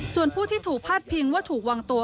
ส่วนผู้ที่ถูกพาดพิงว่าถูกวางตัว